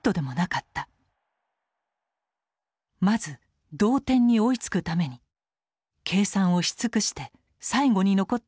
まず同点に追いつくために計算をし尽くして最後に残った選択肢。